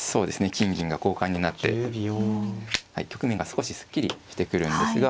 金銀が交換になって局面が少しすっきりしてくるんですが。